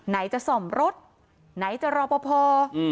ไหนจะส่อมรถไหนจะรอปพออืม